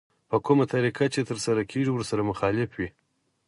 په کومه طريقه چې ترسره کېږي ورسره مخالف وي.